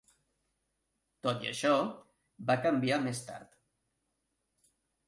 Tot i això, va canviar més tard.